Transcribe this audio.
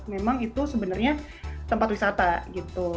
memang itu sebenarnya tempat wisata gitu